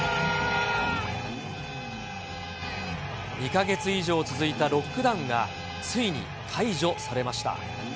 ２か月以上続いたロックダウンが、ついに解除されました。